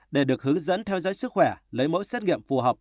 để được hướng dẫn theo dõi sức khỏe lấy mẫu xét nghiệm phù hợp